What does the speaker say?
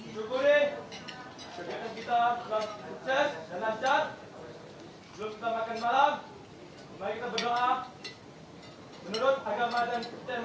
belum kita makan malam mari kita berdoa